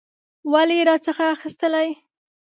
ولي یې راڅخه اخیستلې؟